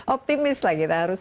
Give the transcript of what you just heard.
optimist lah kita harus